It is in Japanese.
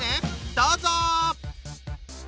どうぞ！